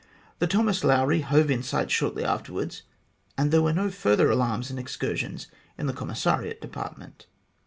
The Thomas Lowry hove in sight shortly afterwards, and there were no further alarms and excursions in the Commissariat department.